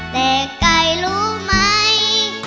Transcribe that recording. แต่ใกล้รู้ไหม